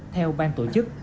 theo ban tổ chức